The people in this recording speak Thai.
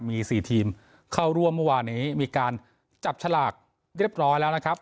มี๔ทีมเข้าร่วมเมื่อวานนี้มีการจับฉลากเรียบร้อยแล้วนะครับ